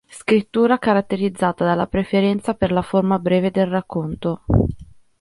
Scrittura caratterizzata dalla preferenza per la forma breve del racconto.